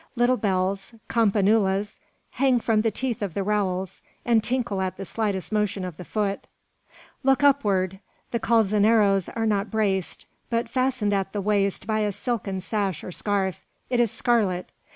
Little bells, campanulas, hang from the teeth of the rowels, and tinkle at the slightest motion of the foot! Look upward. The calzoneros are not braced, but fastened at the waist by a silken sash or scarf. It is scarlet.